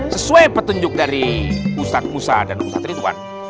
sesuai petunjuk dari ustadz musa dan ustadz ridwan